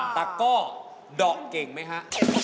ตะก้อดอกเก่งไหมฮะ